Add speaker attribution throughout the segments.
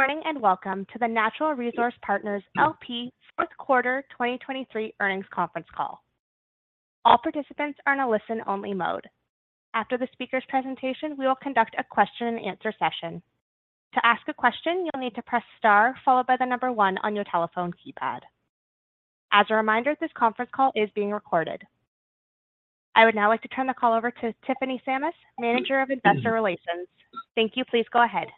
Speaker 1: Good morning and welcome to the Natural Resource Partners L.P. Fourth Quarter 2023 Earnings Conference Call. All participants are in a listen-only mode. After the speaker's presentation, we will conduct a question-and-answer session. To ask a question, you'll need to press star followed by the number one on your telephone keypad. As a reminder, this conference call is being recorded. I would now like to turn the call over to Tiffany Sammis, Manager of Investor Relations. Thank you. Please go ahead.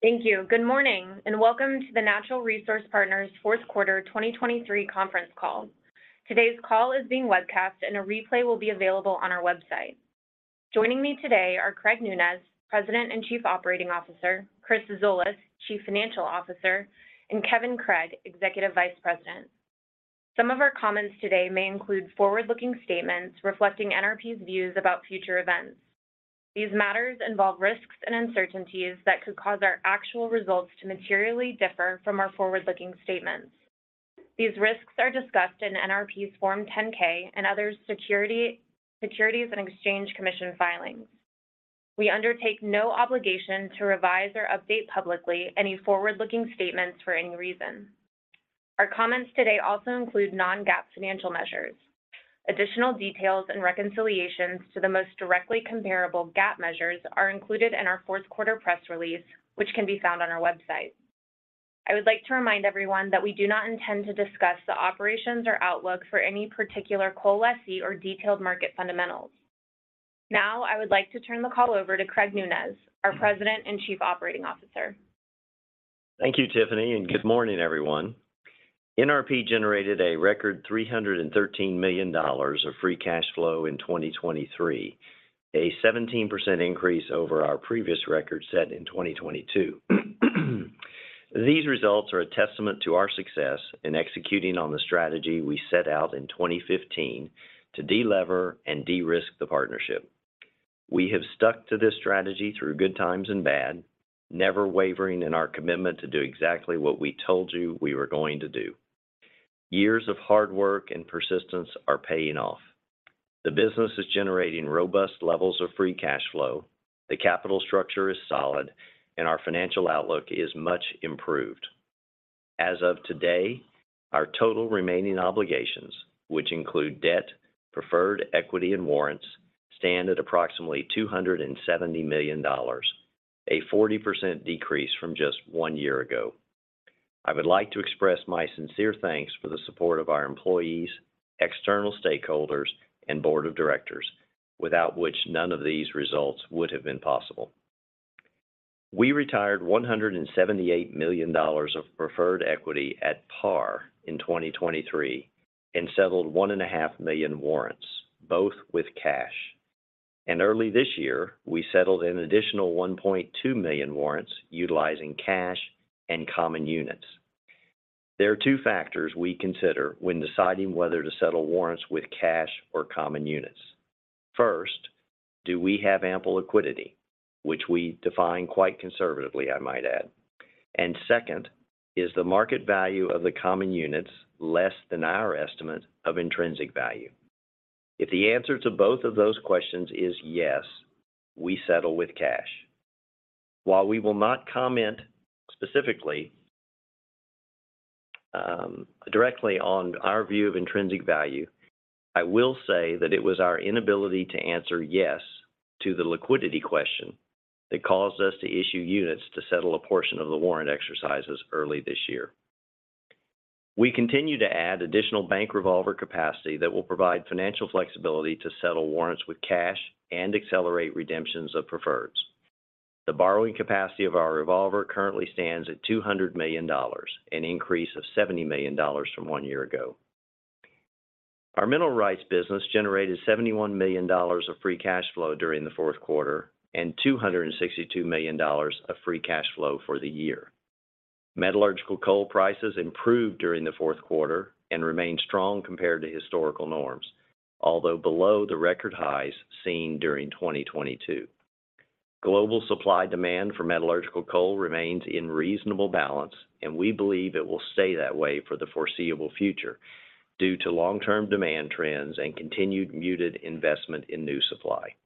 Speaker 2: Thank you. Good morning and welcome to the Natural Resource Partners fourth quarter 2023 conference call. Today's call is being webcast, and a replay will be available on our website. Joining me today are Craig Nunez, President and Chief Operating Officer, Chris Zolas, Chief Financial Officer, and Kevin Craig, Executive Vice President. Some of our comments today may include forward-looking statements reflecting NRP's views about future events. These matters involve risks and uncertainties that could cause our actual results to materially differ from our forward-looking statements. These risks are discussed in NRP's Form 10-K and others' Securities and Exchange Commission filings. We undertake no obligation to revise or update publicly any forward-looking statements for any reason. Our comments today also include non-GAAP financial measures. Additional details and reconciliations to the most directly comparable GAAP measures are included in our fourth quarter press release, which can be found on our website. I would like to remind everyone that we do not intend to discuss the operations or outlook for any particular coal leasing or detailed market fundamentals. Now I would like to turn the call over to Craig Nunez, our President and Chief Operating Officer.
Speaker 3: Thank you, Tiffany, and good morning, everyone. NRP generated a record $313 million of free cash flow in 2023, a 17% increase over our previous record set in 2022. These results are a testament to our success in executing on the strategy we set out in 2015 to de-lever and de-risk the partnership. We have stuck to this strategy through good times and bad, never wavering in our commitment to do exactly what we told you we were going to do. Years of hard work and persistence are paying off. The business is generating robust levels of free cash flow, the capital structure is solid, and our financial outlook is much improved. As of today, our total remaining obligations, which include debt, preferred equity, and warrants, stand at approximately $270 million, a 40% decrease from just one year ago. I would like to express my sincere thanks for the support of our employees, external stakeholders, and board of directors, without which none of these results would have been possible. We retired $178 million of preferred equity at par in 2023 and settled 1.5 million warrants, both with cash. And early this year, we settled an additional 1.2 million warrants utilizing cash and common units. There are two factors we consider when deciding whether to settle warrants with cash or common units. First, do we have ample liquidity, which we define quite conservatively, I might add? And second, is the market value of the common units less than our estimate of intrinsic value? If the answer to both of those questions is yes, we settle with cash. While we will not comment specifically directly on our view of intrinsic value, I will say that it was our inability to answer yes to the liquidity question that caused us to issue units to settle a portion of the warrant exercises early this year. We continue to add additional bank revolver capacity that will provide financial flexibility to settle warrants with cash and accelerate redemptions of preferreds. The borrowing capacity of our revolver currently stands at $200 million, an increase of $70 million from one year ago. Our mineral rights business generated $71 million of free cash flow during the fourth quarter and $262 million of free cash flow for the year. Metallurgical coal prices improved during the fourth quarter and remain strong compared to historical norms, although below the record highs seen during 2022. Global supply demand for metallurgical coal remains in reasonable balance, and we believe it will stay that way for the foreseeable future due to long-term demand trends and continued muted investment in new supply.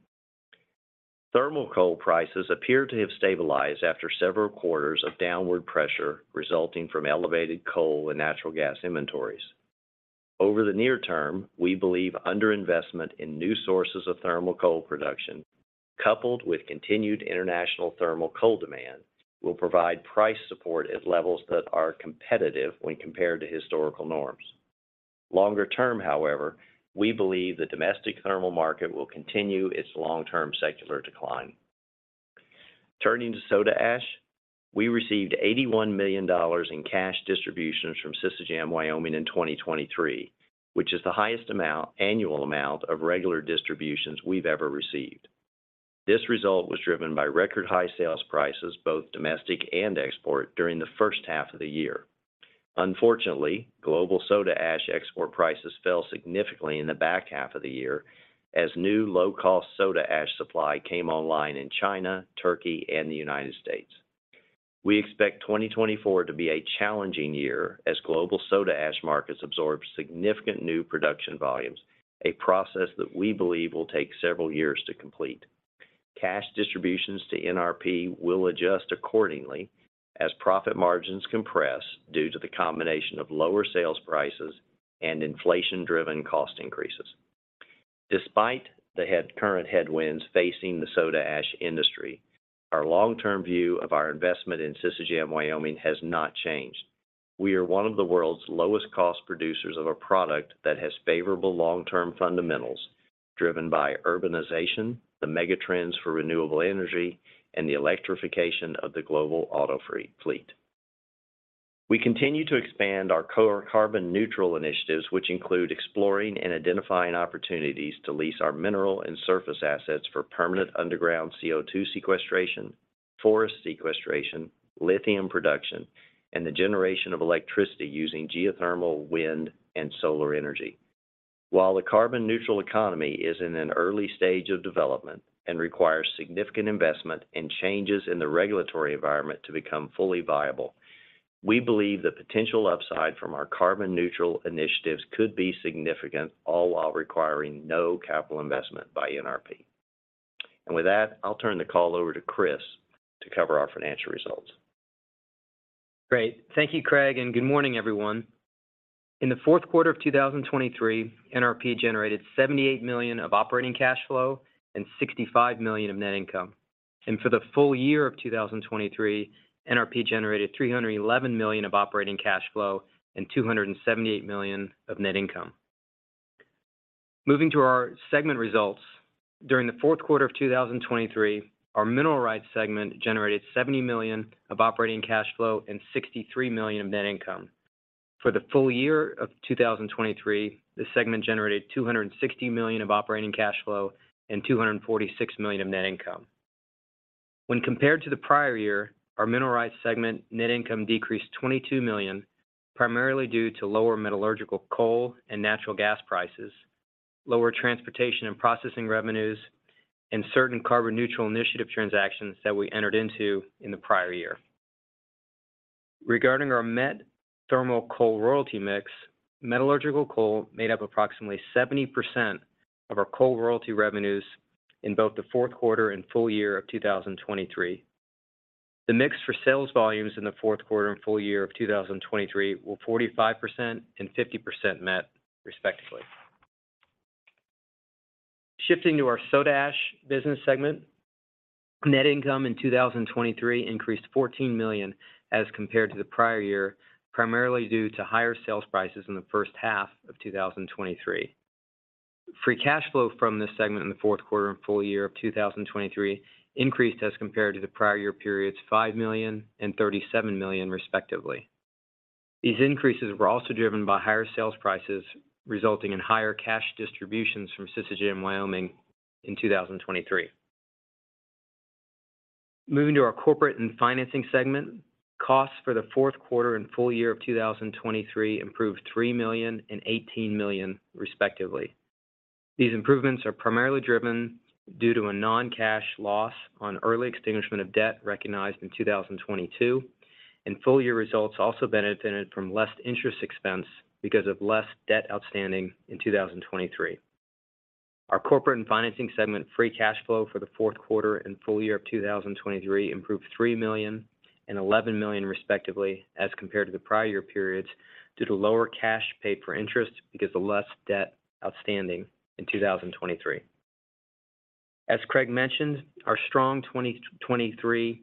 Speaker 3: Thermal coal prices appear to have stabilized after several quarters of downward pressure resulting from elevated coal and natural gas inventories. Over the near term, we believe underinvestment in new sources of thermal coal production, coupled with continued international thermal coal demand, will provide price support at levels that are competitive when compared to historical norms. Longer term, however, we believe the domestic thermal market will continue its long-term secular decline. Turning to soda ash, we received $81 million in cash distributions from Sisecam Wyoming, in 2023, which is the highest annual amount of regular distributions we've ever received. This result was driven by record high sales prices, both domestic and export, during the first half of the year. Unfortunately, global soda ash export prices fell significantly in the back half of the year as new low-cost soda ash supply came online in China, Turkey, and the United States. We expect 2024 to be a challenging year as global soda ash markets absorb significant new production volumes, a process that we believe will take several years to complete. Cash distributions to NRP will adjust accordingly as profit margins compress due to the combination of lower sales prices and inflation-driven cost increases. Despite the current headwinds facing the soda ash industry, our long-term view of our investment in Sisecam Wyoming has not changed. We are one of the world's lowest cost producers of a product that has favorable long-term fundamentals driven by urbanization, the megatrends for renewable energy, and the electrification of the global auto fleet. We continue to expand our carbon-neutral initiatives, which include exploring and identifying opportunities to lease our mineral and surface assets for permanent underground CO2 sequestration, forest sequestration, lithium production, and the generation of electricity using geothermal, wind, and solar energy. While the carbon-neutral economy is in an early stage of development and requires significant investment and changes in the regulatory environment to become fully viable, we believe the potential upside from our carbon-neutral initiatives could be significant all while requiring no capital investment by NRP. With that, I'll turn the call over to Chris to cover our financial results.
Speaker 4: Great. Thank you, Craig, and good morning, everyone. In the fourth quarter of 2023, NRP generated $78 million of operating cash flow and $65 million of net income. For the full-year of 2023, NRP generated $311 million of operating cash flow and $278 million of net income. Moving to our segment results, during the fourth quarter of 2023, our mineral rights segment generated $70 million of operating cash flow and $63 million of net income. For the full-year of 2023, the segment generated $260 million of operating cash flow and $246 million of net income. When compared to the prior year, our mineral rights segment net income decreased $22 million, primarily due to lower metallurgical coal and natural gas prices, lower transportation and processing revenues, and certain carbon-neutral initiative transactions that we entered into in the prior year. Regarding our metallurgical-thermal coal royalty mix, metallurgical coal made up approximately 70% of our coal royalty revenues in both the fourth quarter and full-year of 2023. The mix for sales volumes in the fourth quarter and full-year of 2023 were 45% and 50% met, respectively. Shifting to our soda ash business segment, net income in 2023 increased $14 million as compared to the prior year, primarily due to higher sales prices in the first half of 2023. Free cash flow from this segment in the fourth quarter and full-year of 2023 increased as compared to the prior year periods $5 million and $37 million, respectively. These increases were also driven by higher sales prices, resulting in higher cash distributions from Sisecam Wyoming in 2023. Moving to our corporate and financing segment, costs for the fourth quarter and full-year of 2023 improved $3 million and $18 million, respectively. These improvements are primarily driven due to a non-cash loss on early extinguishment of debt recognized in 2022, and full-year results also benefited from less interest expense because of less debt outstanding in 2023. Our corporate and financing segment free cash flow for the fourth quarter and full-year of 2023 improved $3 million and $11 million, respectively, as compared to the prior year periods due to lower cash paid for interest because of less debt outstanding in 2023. As Craig mentioned, our strong 2023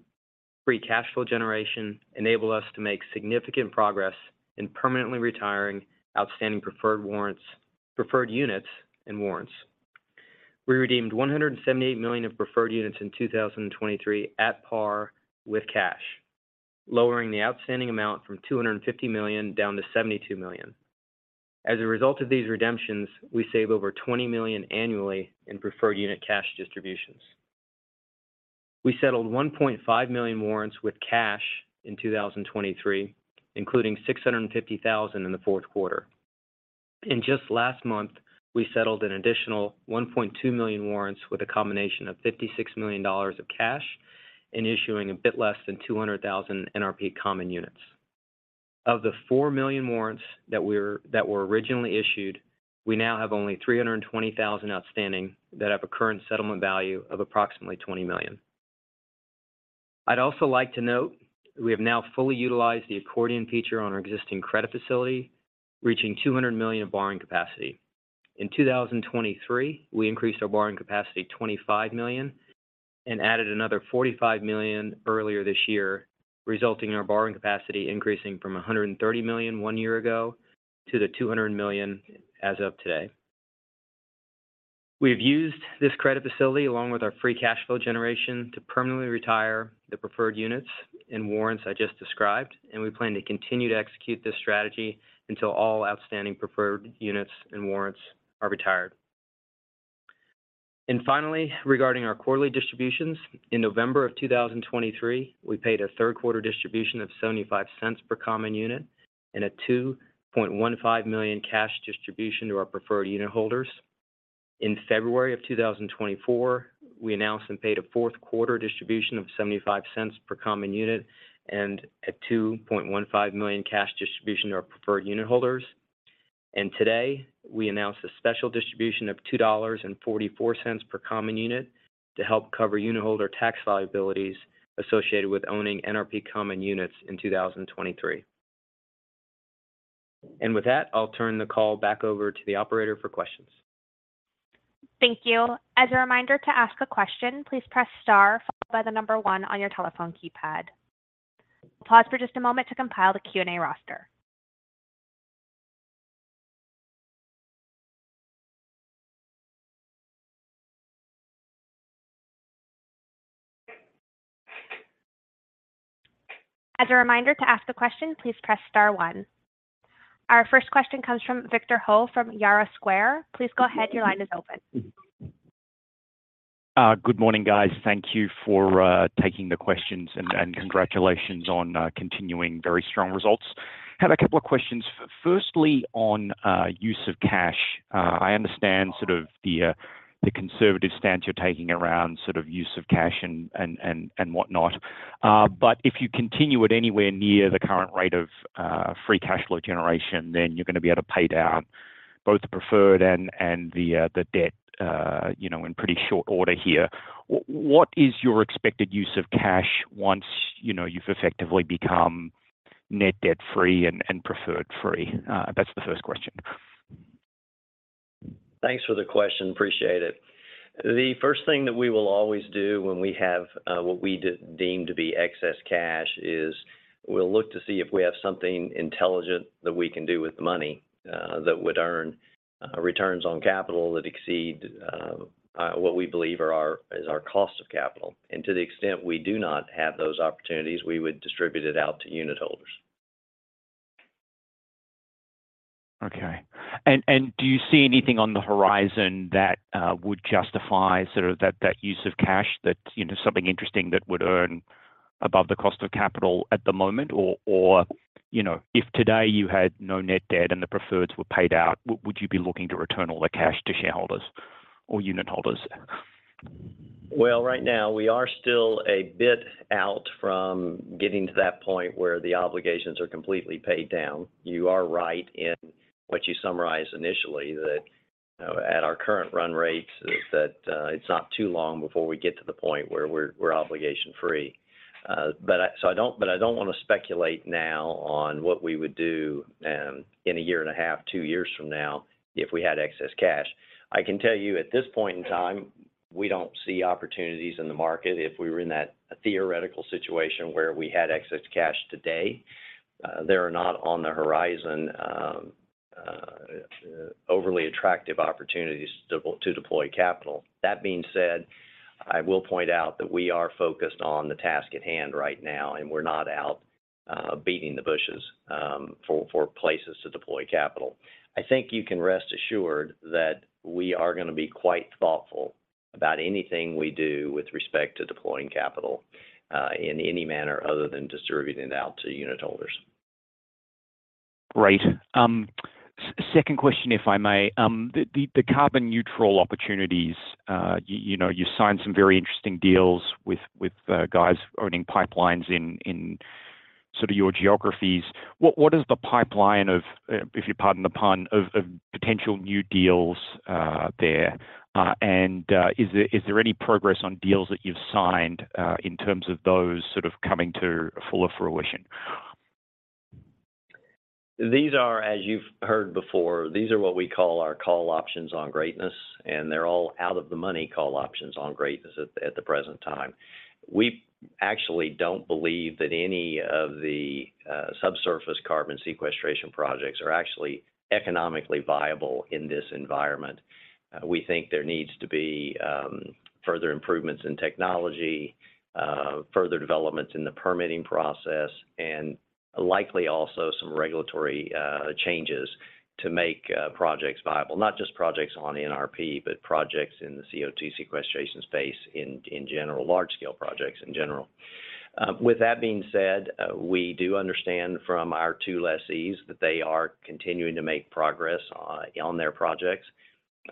Speaker 4: free cash flow generation enabled us to make significant progress in permanently retiring outstanding preferred units and warrants. We redeemed $178 million of preferred units in 2023 at par with cash, lowering the outstanding amount from $250 million down to $72 million. As a result of these redemptions, we save over $20 million annually in preferred unit cash distributions. We settled 1.5 million warrants with cash in 2023, including $650,000 in the fourth quarter. In just last month, we settled an additional 1.2 million warrants with a combination of $56 million of cash and issuing a bit less than 200,000 NRP common units. Of the 4 million warrants that were originally issued, we now have only 320,000 outstanding that have a current settlement value of approximately $20 million. I'd also like to note we have now fully utilized the accordion feature on our existing credit facility, reaching $200 million of borrowing capacity. In 2023, we increased our borrowing capacity $25 million and added another $45 million earlier this year, resulting in our borrowing capacity increasing from $130 million one year ago to the $200 million as of today. We have used this credit facility, along with our free cash flow generation, to permanently retire the preferred units and warrants I just described, and we plan to continue to execute this strategy until all outstanding preferred units and warrants are retired. Finally, regarding our quarterly distributions, in November of 2023, we paid a third-quarter distribution of $0.75 per common unit and a $2.15 million cash distribution to our preferred unitholders. In February of 2024, we announced and paid a fourth-quarter distribution of $0.75 per common unit and a $2.15 million cash distribution to our preferred unitholders. Today, we announced a special distribution of $2.44 per common unit to help cover unitholder tax liabilities associated with owning NRP common units in 2023. With that, I'll turn the call back over to the operator for questions.
Speaker 1: Thank you. As a reminder to ask a question, please press star followed by 1 on your telephone keypad. We'll pause for just a moment to compile the Q&A roster. As a reminder to ask a question, please press star 1. Our first question comes from Victor Ho from Yarra Square. Please go ahead. Your line is open.
Speaker 5: Good morning, guys. Thank you for taking the questions, and congratulations on continuing very strong results. I have a couple of questions. Firstly, on use of cash. I understand sort of the conservative stance you're taking around sort of use of cash and whatnot. But if you continue at anywhere near the current rate of free cash flow generation, then you're going to be able to pay down both the preferred and the debt in pretty short order here. What is your expected use of cash once you've effectively become net debt-free and preferred-free? That's the first question.
Speaker 3: Thanks for the question. Appreciate it. The first thing that we will always do when we have what we deem to be excess cash is we'll look to see if we have something intelligent that we can do with the money that would earn returns on capital that exceed what we believe is our cost of capital. And to the extent we do not have those opportunities, we would distribute it out to unitholders.
Speaker 5: Okay. And do you see anything on the horizon that would justify sort of that use of cash, that something interesting that would earn above the cost of capital at the moment? Or if today you had no net debt and the preferreds were paid out, would you be looking to return all the cash to shareholders or unitholders?
Speaker 3: Well, right now, we are still a bit out from getting to that point where the obligations are completely paid down. You are right in what you summarized initially, that at our current run rates, that it's not too long before we get to the point where we're obligation-free. But I don't want to speculate now on what we would do in a year and a half, two years from now if we had excess cash. I can tell you, at this point in time, we don't see opportunities in the market. If we were in that theoretical situation where we had excess cash today, there are not on the horizon overly attractive opportunities to deploy capital. That being said, I will point out that we are focused on the task at hand right now, and we're not out beating the bushes for places to deploy capital. I think you can rest assured that we are going to be quite thoughtful about anything we do with respect to deploying capital in any manner other than distributing it out to unitholders.
Speaker 5: Great. Second question, if I may. The carbon-neutral opportunities, you signed some very interesting deals with guys owning pipelines in sort of your geographies. What is the pipeline of, if you pardon the pun, of potential new deals there? And is there any progress on deals that you've signed in terms of those sort of coming to full fruition?
Speaker 3: As you've heard before, these are what we call our call options on greatness, and they're all out-of-the-money call options on greatness at the present time. We actually don't believe that any of the subsurface carbon sequestration projects are actually economically viable in this environment. We think there needs to be further improvements in technology, further developments in the permitting process, and likely also some regulatory changes to make projects viable, not just projects on NRP, but projects in the CO2 sequestration space in general, large-scale projects in general. With that being said, we do understand from our two lessees that they are continuing to make progress on their projects.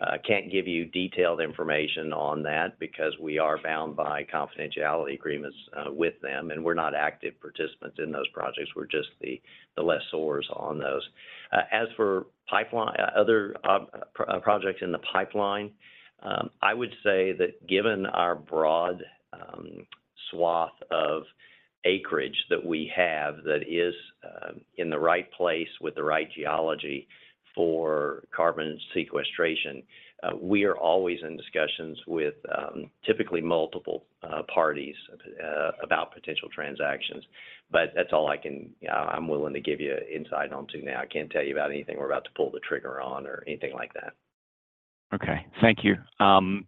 Speaker 3: I can't give you detailed information on that because we are bound by confidentiality agreements with them, and we're not active participants in those projects. We're just the lessors on those. As for other projects in the pipeline, I would say that given our broad swath of acreage that we have that is in the right place with the right geology for carbon sequestration, we are always in discussions with typically multiple parties about potential transactions. But that's all I'm willing to give you insight onto now. I can't tell you about anything we're about to pull the trigger on or anything like that.
Speaker 5: Okay. Thank you.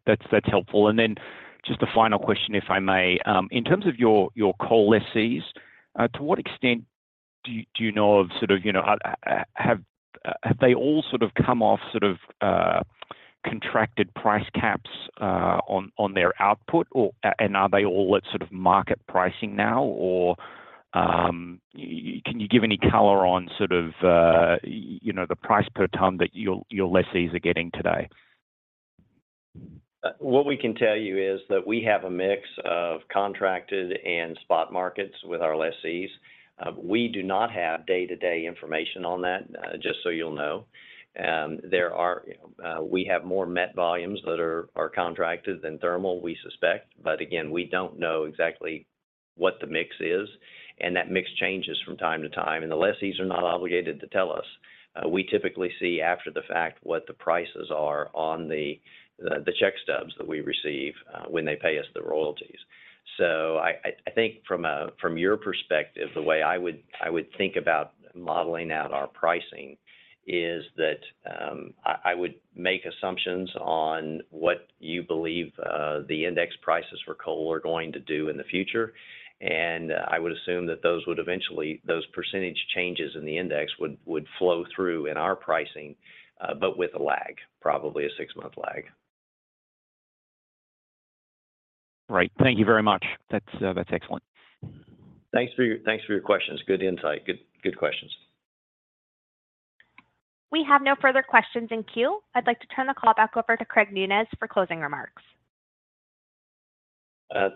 Speaker 5: That's helpful. And then just a final question, if I may. In terms of your coal lessees, to what extent do you know of sort of have they all sort of come off sort of contracted price caps on their output, and are they all at sort of market pricing now? Or can you give any color on sort of the price per ton that your lessees are getting today?
Speaker 3: What we can tell you is that we have a mix of contracted and spot markets with our lessees. We do not have day-to-day information on that, just so you'll know. We have more met volumes that are contracted than thermal, we suspect. But again, we don't know exactly what the mix is, and that mix changes from time to time, and the lessees are not obligated to tell us. We typically see after the fact what the prices are on the check stubs that we receive when they pay us the royalties. So I think from your perspective, the way I would think about modeling out our pricing is that I would make assumptions on what you believe the index prices for coal are going to do in the future, and I would assume that those percentage changes in the index would flow through in our pricing, but with a lag, probably a six-month lag.
Speaker 5: Great. Thank you very much. That's excellent.
Speaker 3: Thanks for your questions. Good insight. Good questions.
Speaker 1: We have no further questions in queue. I'd like to turn the call back over to Craig Nunez for closing remarks.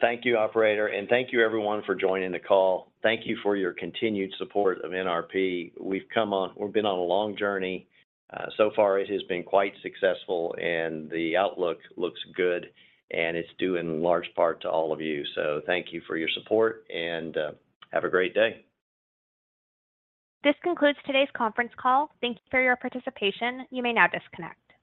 Speaker 3: Thank you, operator, and thank you, everyone, for joining the call. Thank you for your continued support of NRP. We've been on a long journey. So far, it has been quite successful, and the outlook looks good, and it's due in large part to all of you. So thank you for your support, and have a great day.
Speaker 1: This concludes today's conference call. Thank you for your participation. You may now disconnect.